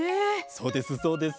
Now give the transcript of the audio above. そうですそうです。